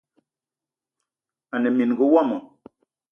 Ane mininga womo